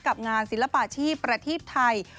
กับงานศิลปาชีพประเทศไทย